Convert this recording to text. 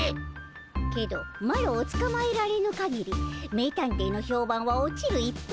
けどマロをつかまえられぬかぎり名探偵の評判は落ちる一方。